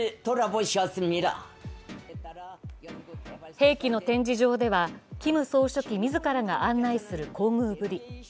兵器の展示場ではキム総書記自らが案内する厚遇ぶり。